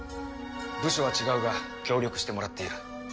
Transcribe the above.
部署は違うが協力してもらっている。